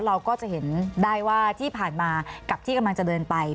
เราก็จะเห็นได้ว่าที่ผ่านมากับที่กำลังจะเดินไป